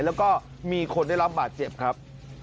แล้วก็มีคนได้รับบาดเจ็บครับ